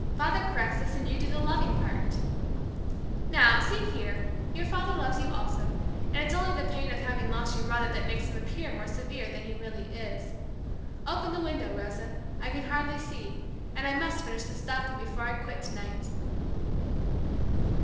Father corrects us and you do the loving part" "Now, see here, your father loves you also, and it's only the pain of having lost your mother that makes him appear more severe than he really is. Open the window, Rosa, I can hardly see, and I must finish this stocking before I quit tonight."